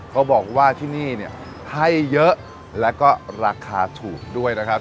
เขาบอกว่าที่นี่เนี่ยให้เยอะแล้วก็ราคาถูกด้วยนะครับ